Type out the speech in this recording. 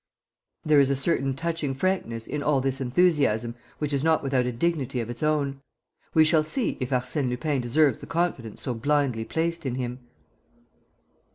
"There is a certain touching frankness in all this enthusiasm which is not without a dignity of its own. We shall see if Arsène Lupin deserves the confidence so blindly placed in him."